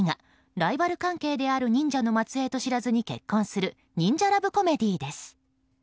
ライバル関係である忍者の末裔と知らずに結婚する忍者ラブコメディーです。